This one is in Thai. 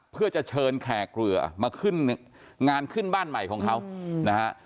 เพื่อจะเชิญแขกเรือมาขึ้นงานขึ้นบ้านใหม่ของเขานะฮะ